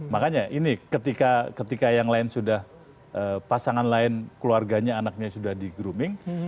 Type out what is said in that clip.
makanya ini ketika yang lain sudah pasangan lain keluarganya anaknya sudah di grooming